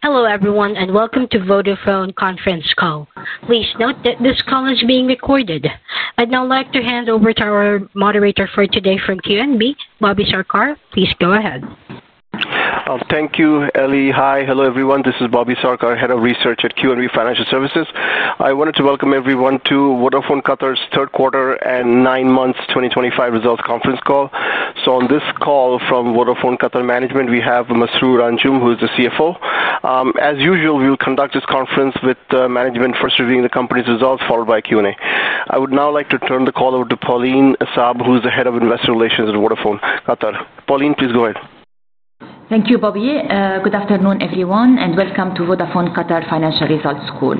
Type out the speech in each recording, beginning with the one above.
Hello everyone and welcome to Vodafone Qatar conference call. Please note that this call is being recorded. I'd now like to hand over to our moderator for today from QNB, Bobby Sarkar. Please go ahead. Thank you, Ellie. Hi, hello everyone. This is Bobby Sarkar, Head of Research at QNB Financial Services. I wanted to welcome everyone to Vodafone Qatar's third quarter and nine months 2025 results conference call. On this call from Vodafone Qatar management, we have Masroor Anjum, who is the CFO. As usual, we'll conduct this conference with the management first reviewing the company's results, followed by Q&A. I would now like to turn the call over to Pauline Saab, who is the Head of Investor Relations at Vodafone Qatar. Pauline, please go ahead. Thank you, Bobby. Good afternoon everyone and welcome to Vodafone Qatar financial results call.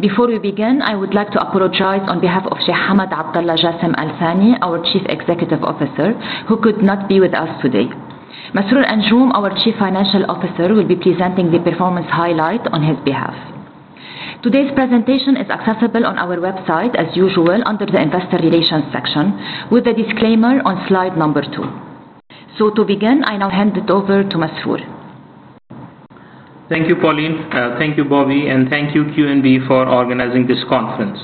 Before we begin, I would like to apologize on behalf of Sheikh Hamad Abdulla Jassim Al-Thani, our Chief Executive Officer, who could not be with us today. Masroor Anjum, our Chief Financial Officer, will be presenting the performance highlight on his behalf. Today's presentation is accessible on our website, as usual, under the investor relations section, with a disclaimer on slide number two. To begin, I now hand it over to Masroor. Thank you, Pauline. Thank you, Bobby, and thank you, QNB, for organizing this conference.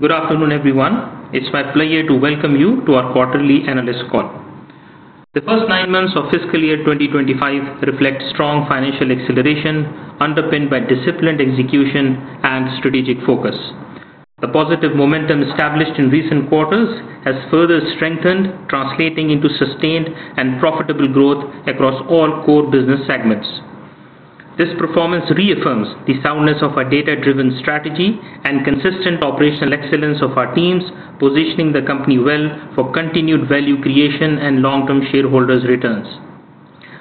Good afternoon everyone. It's my pleasure to welcome you to our quarterly analyst call. The first nine months of fiscal year 2025 reflect strong financial acceleration underpinned by disciplined execution and strategic focus. The positive momentum established in recent quarters has further strengthened, translating into sustained and profitable growth across all core business segments. This performance reaffirms the soundness of our data-driven strategy and consistent operational excellence of our teams, positioning the company well for continued value creation and long-term shareholders' returns.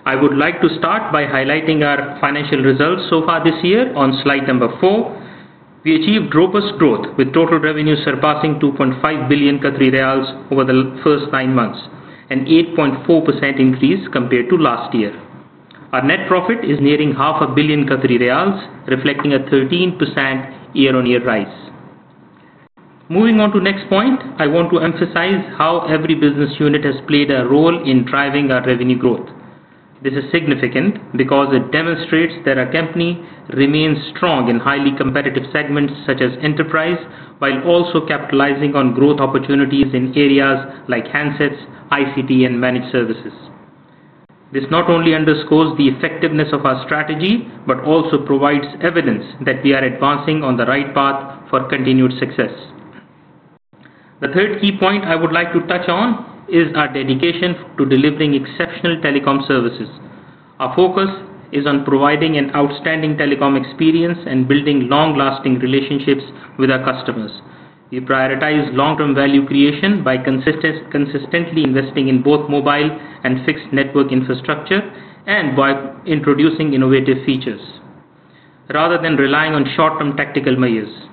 I would like to start by highlighting our financial results so far this year. On slide number four, we achieved robust growth, with total revenue surpassing 2.5 billion Qatari riyals over the first nine months, an 8.4% increase compared to last year. Our net profit is nearing 500 million Qatari riyals, reflecting a 13% year-on-year rise. Moving on to the next point, I want to emphasize how every business unit has played a role in driving our revenue growth. This is significant because it demonstrates that our company remains strong in highly competitive segments such as enterprise, while also capitalizing on growth opportunities in areas like handsets, ICT, and managed services. This not only underscores the effectiveness of our strategy, but also provides evidence that we are advancing on the right path for continued success. The third key point I would like to touch on is our dedication to delivering exceptional telecom services. Our focus is on providing an outstanding telecom experience and building long-lasting relationships with our customers. We prioritize long-term value creation by consistently investing in both mobile and fixed network infrastructure and by introducing innovative features, rather than relying on short-term tactical measures.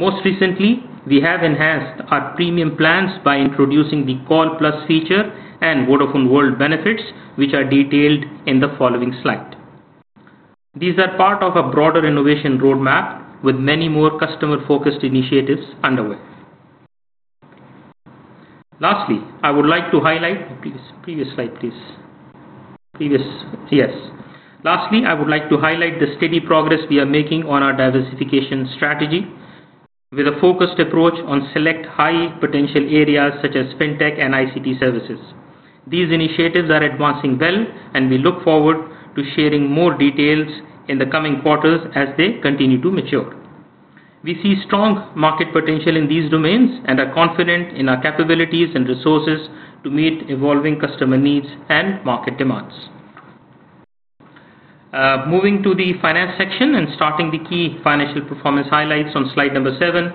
Most recently, we have enhanced our premium plans by introducing the Call+ feature and Vodafone World benefits, which are detailed in the following slide. These are part of a broader innovation roadmap, with many more customer-focused initiatives underway. Lastly, I would like to highlight the steady progress we are making on our diversification strategy, with a focused approach on select high-potential areas such as fintech and ICT services. These initiatives are advancing well, and we look forward to sharing more details in the coming quarters as they continue to mature. We see strong market potential in these domains and are confident in our capabilities and resources to meet evolving customer needs and market demands. Moving to the finance section and starting the key financial performance highlights on slide number seven.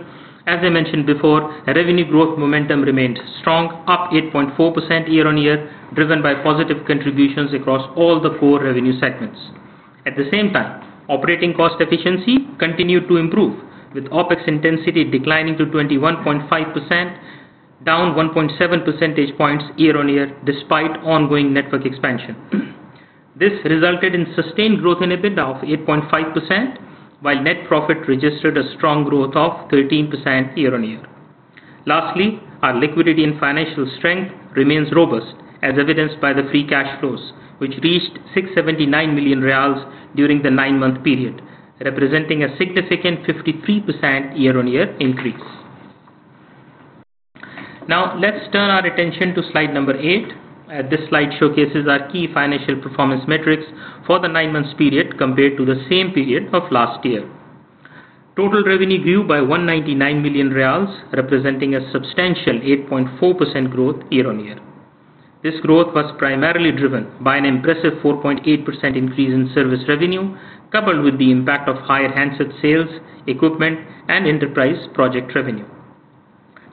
As I mentioned before, revenue growth momentum remains strong, up 8.4% year-on-year, driven by positive contributions across all the core revenue segments. At the same time, operating cost efficiency continued to improve, with OpEx intensity declining to 21.5%, down 1.7 percentage points year-on-year, despite ongoing network expansion. This resulted in sustained growth in EBITDA of 8.5%, while net profit registered a strong growth of 13% year-on-year. Lastly, our liquidity and financial strength remains robust, as evidenced by the free cash flows, which reached 679 million riyals during the nine-month period, representing a significant 53% year-on-year increase. Now, let's turn our attention to slide number eight. This slide showcases our key financial performance metrics for the nine-month period compared to the same period of last year. Total revenue grew by 199 million riyals, representing a substantial 8.4% growth year-on-year. This growth was primarily driven by an impressive 4.8% increase in service revenue, coupled with the impact of higher handset sales, equipment, and enterprise project revenue.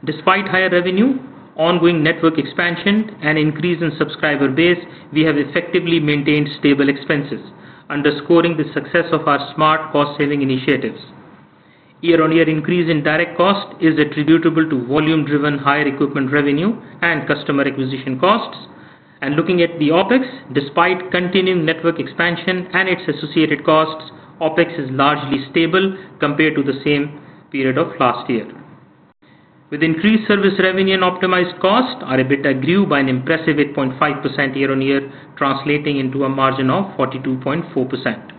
Despite higher revenue, ongoing network expansion, and an increase in subscriber base, we have effectively maintained stable expenses, underscoring the success of our smart cost-saving initiatives. Year-on-year increase in direct cost is attributable to volume-driven higher equipment revenue and customer acquisition costs. Looking at the OpEx, despite continuing network expansion and its associated costs, OpEx is largely stable compared to the same period of last year. With increased service revenue and optimized costs, our EBITDA grew by an impressive 8.5% year-on-year, translating into a margin of 42.4%.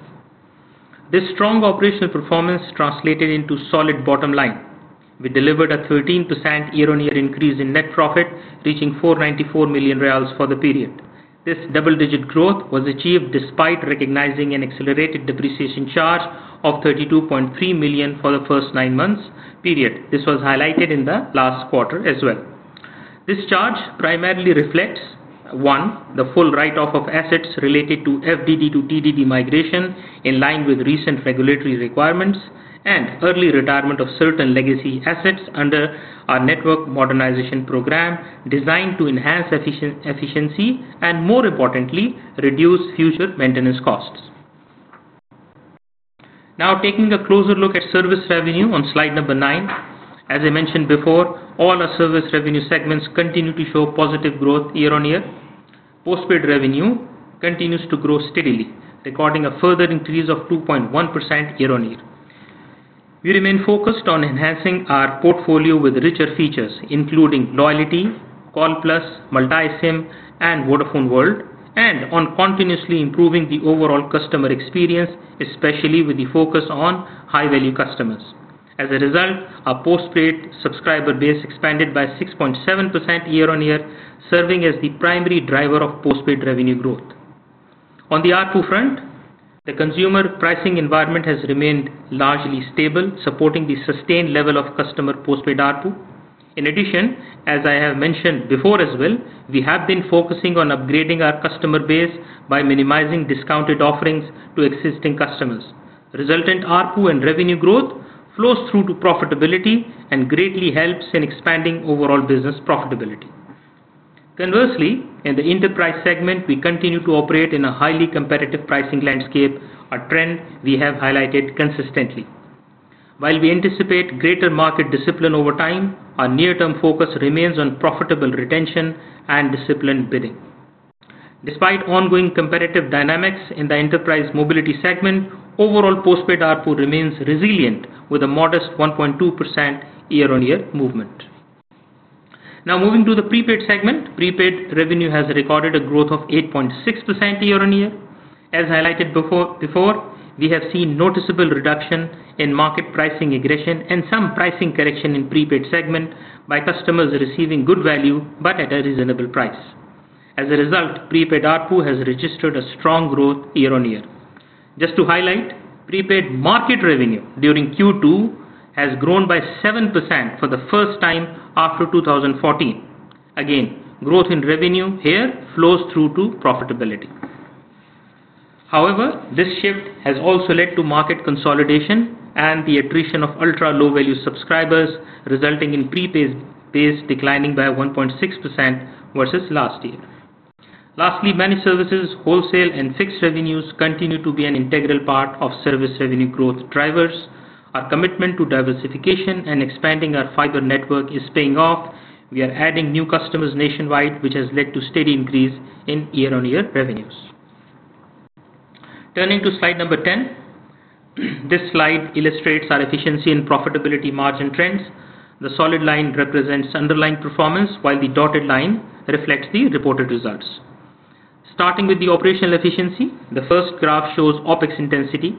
This strong operational performance translated into solid bottom line. We delivered a 13% year-on-year increase in net profit, reaching 494 million riyals for the period. This double-digit growth was achieved despite recognizing an accelerated depreciation charge of 32.3 million for the first nine months. This was highlighted in the last quarter as well. This charge primarily reflects: one, the full write-off of assets related to FDD to TDD migration, in line with recent regulatory requirements, and early retirement of certain legacy assets under our network modernization program, designed to enhance efficiency and, more importantly, reduce future maintenance costs. Now, taking a closer look at service revenue on slide number nine. As I mentioned before, all our service revenue segments continue to show positive growth year-on-year. Postpaid revenue continues to grow steadily, recording a further increase of 2.1% year-on-year. We remain focused on enhancing our portfolio with richer features, including Loyalty, Call+, Multi-SIM, and Vodafone World, and on continuously improving the overall customer experience, especially with the focus on high-value customers. As a result, our postpaid subscriber base expanded by 6.7% year-on-year, serving as the primary driver of postpaid revenue growth. On the ARPU front, the consumer pricing environment has remained largely stable, supporting the sustained level of customer postpaid ARPU. In addition, as I have mentioned before as well, we have been focusing on upgrading our customer base by minimizing discounted offerings to existing customers. Resultant ARPU and revenue growth flows through to profitability and greatly helps in expanding overall business profitability. Conversely, in the enterprise segment, we continue to operate in a highly competitive pricing landscape, a trend we have highlighted consistently. While we anticipate greater market discipline over time, our near-term focus remains on profitable retention and disciplined bidding. Despite ongoing competitive dynamics in the enterprise mobility segment, overall postpaid ARPU remains resilient, with a modest 1.2% year-on-year movement. Now, moving to the prepaid segment, prepaid revenue has recorded a growth of 8.6% year-on-year. As highlighted before, we have seen noticeable reduction in market pricing aggression and some pricing correction in the prepaid segment by customers receiving good value but at a reasonable price. As a result, prepaid ARPU has registered a strong growth year-on-year. Just to highlight, prepaid market revenue during Q2 has grown by 7% for the first time after 2014. Again, growth in revenue here flows through to profitability. However, this shift has also led to market consolidation and the attrition of ultra-low-value subscribers, resulting in prepaid base declining by 1.6% versus last year. Lastly, managed services, wholesale, and fixed revenues continue to be an integral part of service revenue growth drivers. Our commitment to diversification and expanding our fiber network is paying off. We are adding new customers nationwide, which has led to a steady increase in year-on-year revenues. Turning to slide number 10, this slide illustrates our efficiency and profitability margin trends. The solid line represents underlying performance, while the dotted line reflects the reported results. Starting with the operational efficiency, the first graph shows OpEx intensity.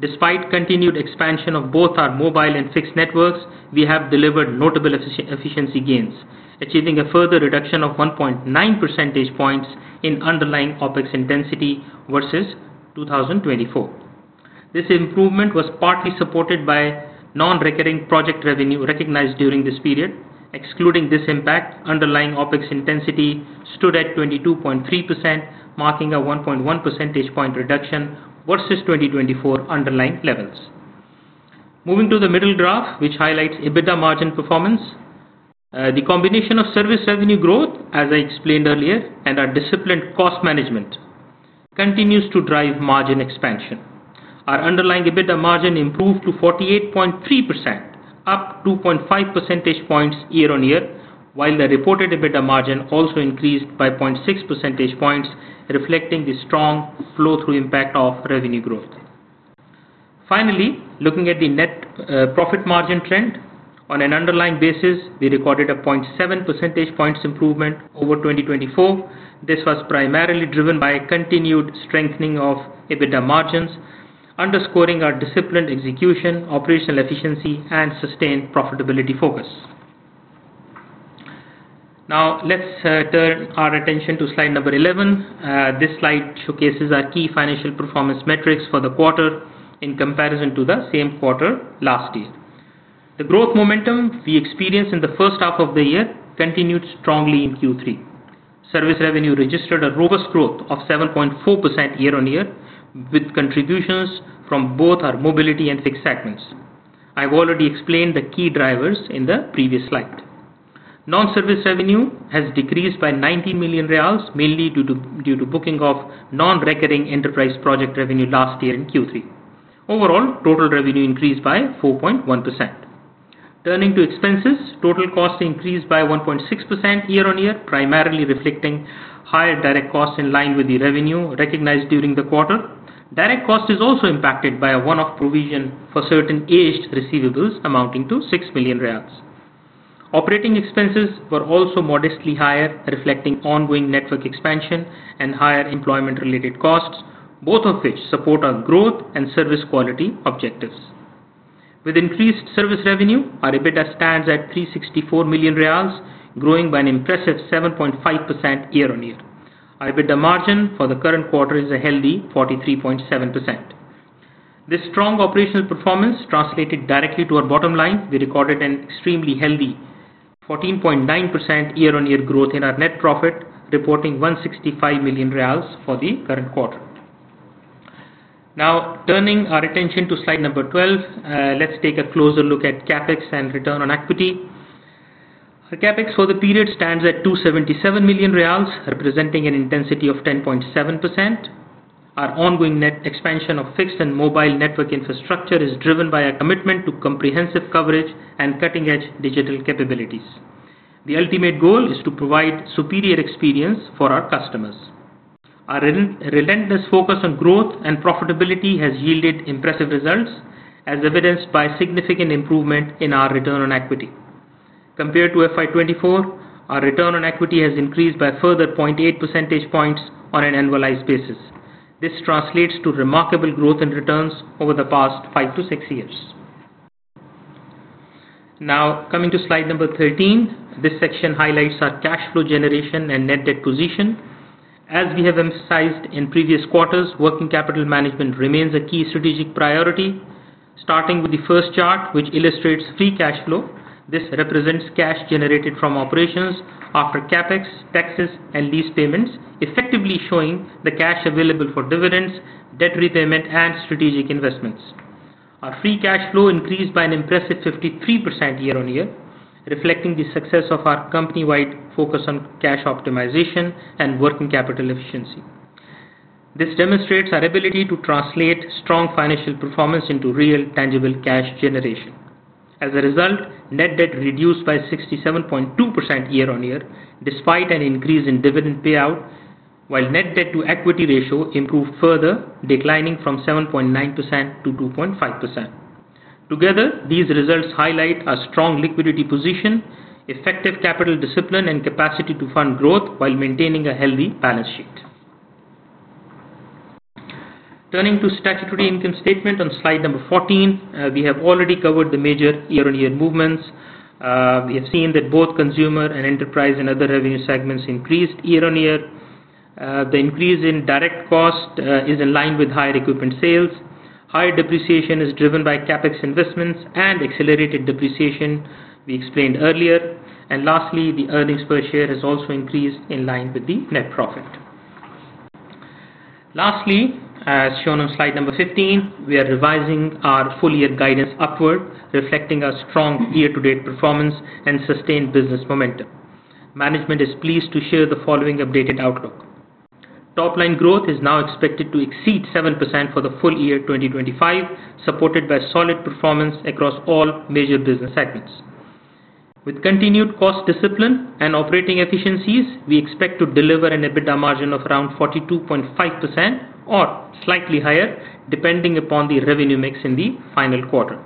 Despite continued expansion of both our mobile and fixed networks, we have delivered notable efficiency gains, achieving a further reduction of 1.9 percentage points in underlying OpEx intensity versus 2024. This improvement was partly supported by non-recurring project revenue recognized during this period. Excluding this impact, underlying OpEx intensity stood at 22.3%, marking a 1.1 percentage point reduction versus 2024 underlying levels. Moving to the middle graph, which highlights EBITDA margin performance, the combination of service revenue growth, as I explained earlier, and our disciplined cost management continues to drive margin expansion. Our underlying EBITDA margin improved to 48.3%, up 2.5 percentage points year-on-year, while the reported EBITDA margin also increased by 0.6 percentage points, reflecting the strong flow-through impact of revenue growth. Finally, looking at the net profit margin trend, on an underlying basis, we recorded a 0.7 percentage point improvement over 2024. This was primarily driven by a continued strengthening of EBITDA margins, underscoring our disciplined execution, operational efficiency, and sustained profitability focus. Now, let's turn our attention to slide number 11. This slide showcases our key financial performance metrics for the quarter in comparison to the same quarter last year. The growth momentum we experienced in the first half of the year continued strongly in Q3. Service revenue registered a robust growth of 7.4% year-on-year, with contributions from both our mobility and fixed segments. I've already explained the key drivers in the previous slide. Non-service revenue has decreased by 19 million riyals, mainly due to booking of non-recurring enterprise project revenue last year in Q3. Overall, total revenue increased by 4.1%. Turning to expenses, total cost increased by 1.6% year-on-year, primarily reflecting higher direct costs in line with the revenue recognized during the quarter. Direct cost is also impacted by a one-off provision for certain aged receivables, amounting to 6 million riyals. Operating expenses were also modestly higher, reflecting ongoing network expansion and higher employment-related costs, both of which support our growth and service quality objectives. With increased service revenue, our EBITDA stands at 364 million riyals, growing by an impressive 7.5% year-on-year. Our EBITDA margin for the current quarter is a healthy 43.7%. This strong operational performance translated directly to our bottom line. We recorded an extremely healthy 14.9% year-on-year growth in our net profit, reporting 165 million riyals for the current quarter. Now, turning our attention to slide number 12, let's take a closer look at CapEx and return on equity. Our CapEx for the period stands at 277 million riyals, representing an intensity of 10.7%. Our ongoing net expansion of fixed and mobile network infrastructure is driven by a commitment to comprehensive coverage and cutting-edge digital capabilities. The ultimate goal is to provide superior experience for our customers. Our relentless focus on growth and profitability has yielded impressive results, as evidenced by a significant improvement in our return on equity. Compared to FY 2024, our return on equity has increased by further 0.8 percentage points on an annualized basis. This translates to remarkable growth in returns over the past five to six years. Now, coming to slide number 13, this section highlights our cash flow generation and net debt position. As we have emphasized in previous quarters, working capital management remains a key strategic priority. Starting with the first chart, which illustrates free cash flow, this represents cash generated from operations after CapEx, taxes, and lease payments, effectively showing the cash available for dividends, debt repayment, and strategic investments. Our free cash flow increased by an impressive 53% year-on-year, reflecting the success of our company-wide focus on cash optimization and working capital efficiency. This demonstrates our ability to translate strong financial performance into real, tangible cash generation. As a result, net debt reduced by 67.2% year-on-year despite an increase in dividend payout, while net debt-to-equity ratio improved further, declining from 7.9% to 2.5%. Together, these results highlight a strong liquidity position, effective capital discipline, and capacity to fund growth while maintaining a healthy balance sheet. Turning to statutory income statement on slide number 14, we have already covered the major year-on-year movements. We have seen that both consumer and enterprise and other revenue segments increased year-on-year. The increase in direct cost is in line with higher equipment sales. Higher depreciation is driven by CapEx investments and accelerated depreciation we explained earlier. Lastly, the earnings per share has also increased in line with the net profit. As shown on slide number 15, we are revising our full-year guidance upward, reflecting our strong year-to-date performance and sustained business momentum. Management is pleased to share the following updated outlook. Top-line growth is now expected to exceed 7% for the full year 2025, supported by solid performance across all major business segments. With continued cost discipline and operating efficiencies, we expect to deliver an EBITDA margin of around 42.5% or slightly higher, depending upon the revenue mix in the final quarter.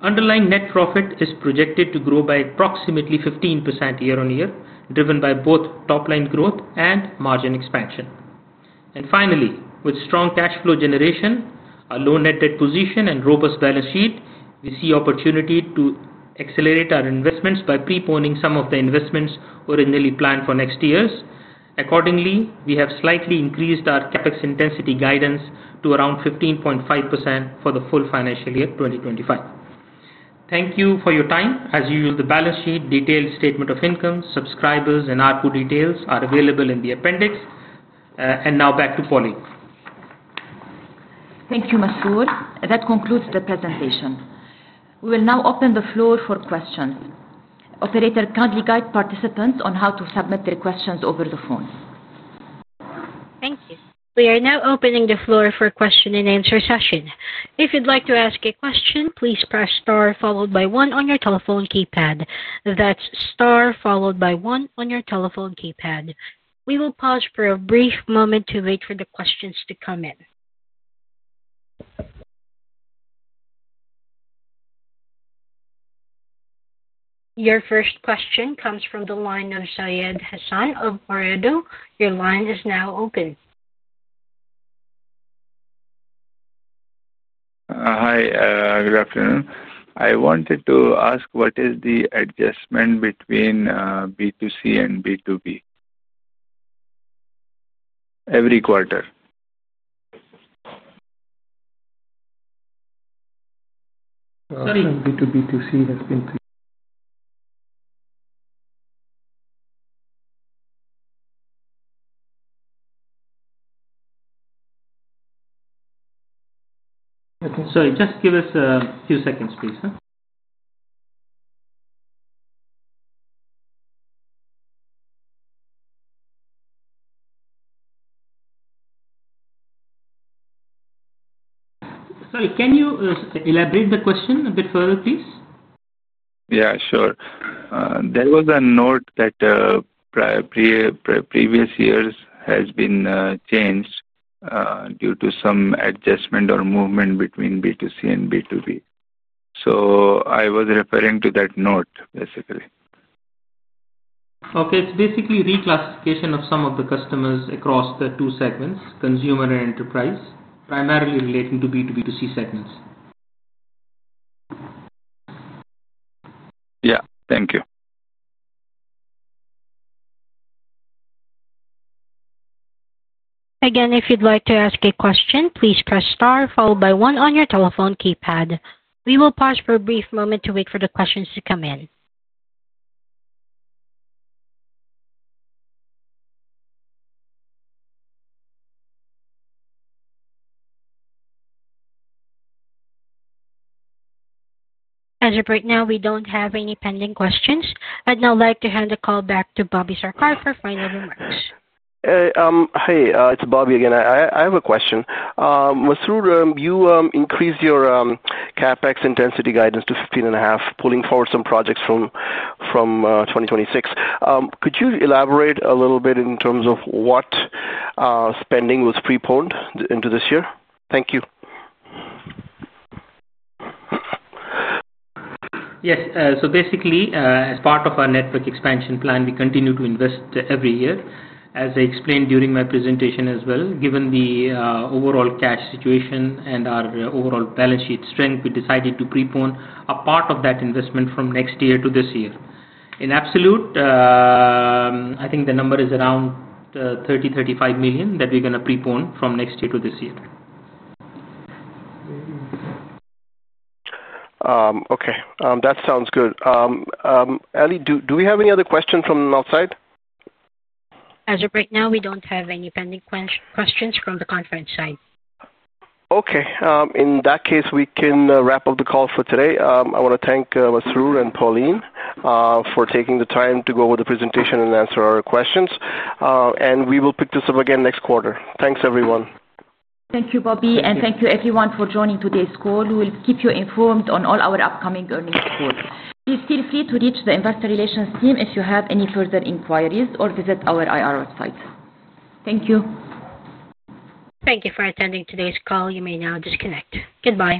Underlying net profit is projected to grow by approximately 15% year-on-year, driven by both top-line growth and margin expansion. Finally, with strong cash flow generation, a low net debt position, and robust balance sheet, we see opportunity to accelerate our investments by preponing some of the investments originally planned for next years. Accordingly, we have slightly increased our CapEx intensity guidance to around 15.5% for the full financial year 2025. Thank you for your time. As usual, the balance sheet, detailed statement of income, subscribers, and ARPU details are available in the appendix. Now back to Pauline. Thank you, Masroor. That concludes the presentation. We will now open the floor for questions. The operator kindly guides participants on how to submit their questions over the phone. Thank you. We are now opening the floor for the question and answer session. If you'd like to ask a question, please press star followed by one on your telephone keypad. That's star followed by one on your telephone keypad. We will pause for a brief moment to wait for the questions to come in. Your first question comes from the line of Syed Hasan of Ooredoo. Your line is now open. Hi. Good afternoon. I wanted to ask what is the adjustment between B2C and B2B every quarter? The adjustment between B2B and B2C has been 3. Okay. Sorry, just give us a few seconds, please. Sorry, can you elaborate the question a bit further, please? Yeah, sure. There was a note that previous years have been changed due to some adjustment or movement between B2C and B2B. I was referring to that note, basically. Okay. It's basically reclassification of some of the customers across the two segments, consumer and enterprise, primarily relating to B2B2C segments. Thank you. Again, if you'd like to ask a question, please press star followed by one on your telephone keypad. We will pause for a brief moment to wait for the questions to come in. As of right now, we don't have any pending questions. I'd now like to hand the call back to Bobby Sarkar for final remarks. Hey, it's Bobby again. I have a question. Masroor, you increased your CapEx intensity guidance to 15.5%, pulling forward some projects from 2026. Could you elaborate a little bit in terms of what spending was preponed into this year? Thank you. Yes. Basically, as part of our network expansion plan, we continue to invest every year. As I explained during my presentation as well, given the overall cash situation and our overall balance sheet strength, we decided to prepone a part of that investment from next year to this year. In absolute, I think the number is around 30 million-35 million that we're going to prepone from next year to this year. Okay. That sounds good. Ellie, do we have any other questions from the outside? As of right now, we don't have any pending questions from the conference side. Okay. In that case, we can wrap up the call for today. I want to thank Masroor and Pauline for taking the time to go over the presentation and answer our questions. We will pick this up again next quarter. Thanks, everyone. Thank you, Bobby. Thank you, everyone, for joining today's call. We will keep you informed on all our upcoming earnings calls. Please feel free to reach the investor relations team if you have any further inquiries or visit our IR website. Thank you. Thank you for attending today's call. You may now disconnect. Goodbye.